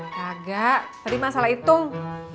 gagak tadi ma salah hitung